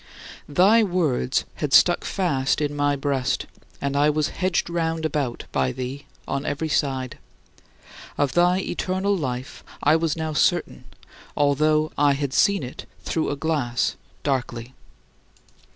" Thy words had stuck fast in my breast, and I was hedged round about by thee on every side. Of thy eternal life I was now certain, although I had seen it "through a glass darkly."